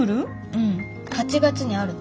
うん８月にあるの。